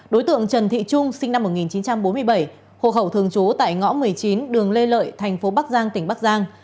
đối tượng trần thị trung sinh năm một nghìn chín trăm bốn mươi bảy hộ khẩu thường trú tại ngõ một mươi chín đường lê lợi thành phố bắc giang tỉnh bắc giang